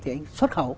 thì anh xuất khẩu